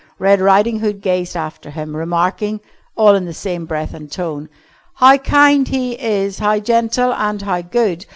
Red Riding Hood gazed after him, remarking (all in the same breath and tone): "How kind he is, how gentle and how good!